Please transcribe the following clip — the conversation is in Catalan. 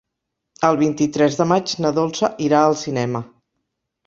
El vint-i-tres de maig na Dolça irà al cinema.